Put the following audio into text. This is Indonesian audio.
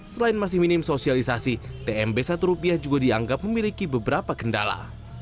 selain masih minim sosialisasi tmb satu rupiah juga dianggap memiliki beberapa kendala